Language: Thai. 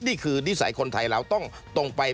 นี่คือนิสัยคนไทยเราต้องตรงไป